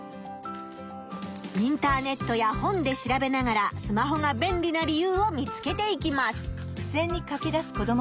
インターネットや本で調べながらスマホが便利な理由を見つけていきます。